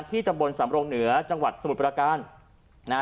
ตำบลสำรงเหนือจังหวัดสมุทรประการนะฮะ